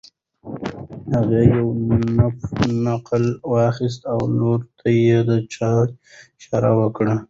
هغې یو نقل واخیست او لور ته یې د چایو اشاره وکړه.